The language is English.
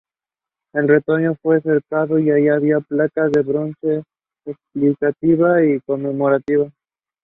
A Dardenne versus Heitmeier runoff loomed.